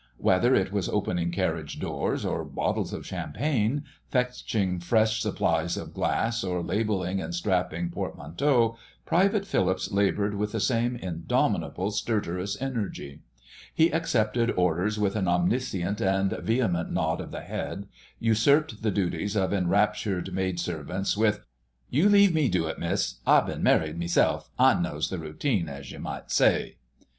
Whether it was opening carriage doors or bottles of champagne, fetching fresh supplies of glasses or labelling and strapping portmanteaux, Private Phillips laboured with the same indomitable stertorous energy. He accepted orders with an omniscient and vehement nod of the head; usurped the duties of enraptured maid servants with, "You leave me do it, Miss—I bin married meself. I knows the routine, as you might say...."